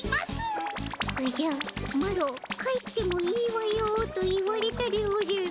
おじゃマロ帰ってもいいわよと言われたでおじゃる。